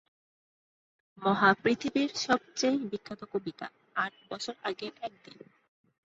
মহাপৃথিবী’র সবচেয়ে বিখ্যাত কবিতা আট বছর আগের একদিন।